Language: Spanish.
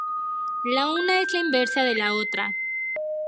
La una es la inversa de la otra.